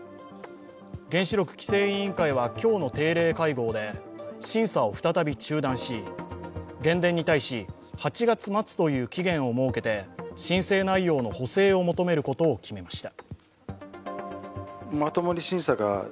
原子力規制委員会は今日の定例会合で、審査を再び中断し、原電に対し８月末という期限を設けて申請内容の補正を求めることを決めました。